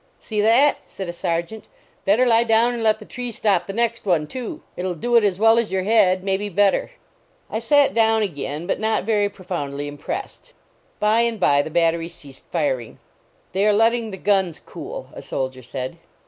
" See that!" said a sergeant; " better lie down and let the tree stop the next one, too. It ll do it as well as your head; may be bet ter." I sat down again, but not very profoundly 214 LAUREL AM) CYPRESS impressed. By and by the battery ceased firing. "They are letting the guns cool," a soldier said.